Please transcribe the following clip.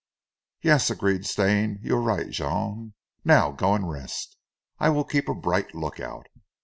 "Yes," agreed Stane. "You are right, Jean. Now go and rest. I will keep a bright look out."